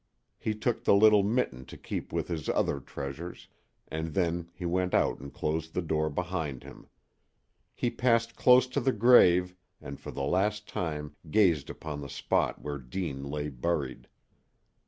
He took the little mitten to keep with his other treasures, and then he went out and closed the door behind him. He passed close to the grave and for the last time gazed upon the spot where Deane lay buried.